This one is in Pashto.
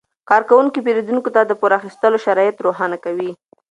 کارکوونکي پیرودونکو ته د پور اخیستلو شرایط روښانه کوي.